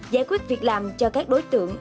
giải quyết việc làm cho các đối tượng